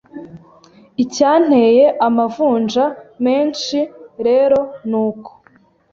Icyanteye amavunja menshi rero nuko